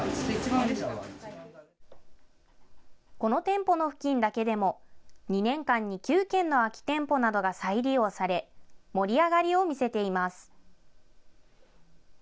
この店舗の付近だけでも、２年間に９軒の空き店舗などが再利用され、盛り上がりを見せています。